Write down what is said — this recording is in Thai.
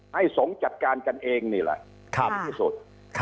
สงฆ์จัดการกันเองนี่แหละดีที่สุด